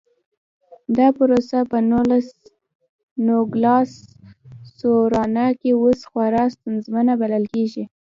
دا پروسه په نوګالس سونورا کې اوس خورا ستونزمنه بلل کېږي.